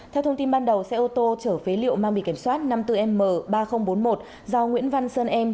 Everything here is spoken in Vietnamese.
theo thông tin ban đầu xe ô tô chở phế liệu mang bì kiểm soát năm mươi bốn m ba nghìn bốn mươi một do nguyễn văn sơn em